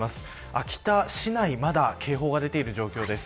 秋田市内まだ警報が出ている状況です。